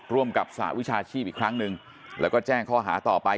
ร่วมกับสหวิชาชีพอีกครั้งหนึ่งแล้วก็แจ้งข้อหาต่อไป